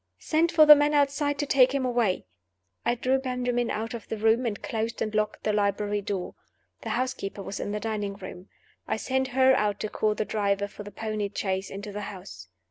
Send for the man outside to take him a way. I drew Benjamin out of the room, and closed and locked the library door. The housekeeper was in the dining room. I sent her out to call the driver of the pony chaise into the house.